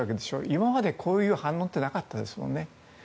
今までこういう反論はなかったですよね。